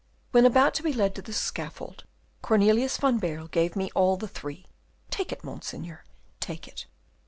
When about to be led to the scaffold, Cornelius van Baerle gave me all the three. Take it, Monseigneur, take it."